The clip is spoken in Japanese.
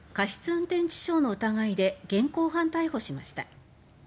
運転致傷の疑いで現行犯逮捕しました。